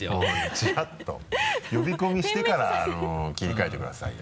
チラッと呼び込みしてから切り替えてくださいよ。